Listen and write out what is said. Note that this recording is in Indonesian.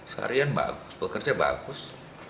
seharian bagus bekerja bagus